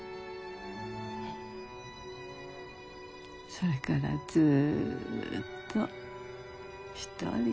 それからずっと一人。